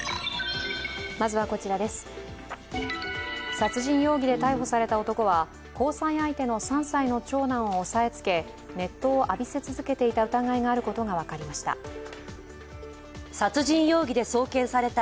殺人容疑で逮捕された男は交際相手の３歳の長男を押さえつけ、熱湯を浴びせ続けていた疑いがあることが分かりました。